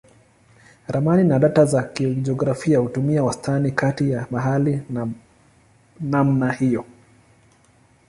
Ramani na data za kijiografia hutumia wastani kati ya mahali pa namna hiyo.